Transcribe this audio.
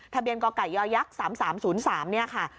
ทะเบียนกยย๓๓๐๓ค่ะ